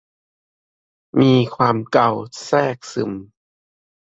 มีความเกาแทรกซึม